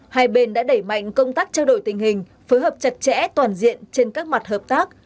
hai bên đã đẩy mạnh công tác trao đổi tình hình phối hợp chặt chẽ toàn diện trên các mặt hợp tác